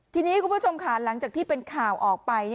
ทีนี้คุณผู้ชมค่ะหลังจากที่เป็นข่าวออกไป